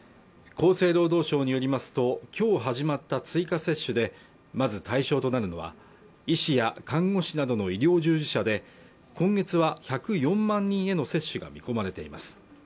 厚生労働省によりますときょう始まった追加接種でまず対象となるのは医師や看護師などの医療従事者で今月は１０４万人への接種が見込まれています